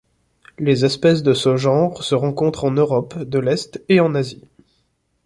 Les espèces de ce genre se rencontrent en Europe de l'Est et en Asie.